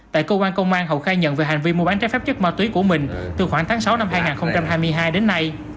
tại cơ quan công an hậu khai nhận về hành vi mua bán trái phép chất ma túy của mình từ khoảng tháng sáu năm hai nghìn hai mươi hai đến nay